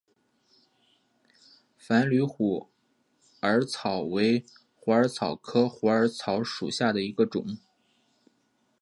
繁缕虎耳草为虎耳草科虎耳草属下的一个种。